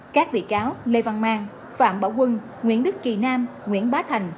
các bị cáo lê văn mang phạm bảo quân nguyễn đức kỳ nam nguyễn bá thành